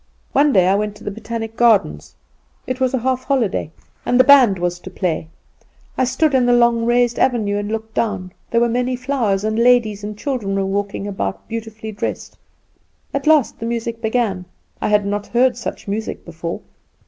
One day I went to the Botanic Gardens. It was a half holiday, and the band was to play. I stood in the long raised avenue and looked down. There were many flowers, and ladies and children were walking about beautifully dressed. At last the music began. I had not heard such music before.